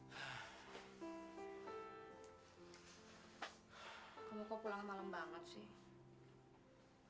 kamu kok pulang malam banget sih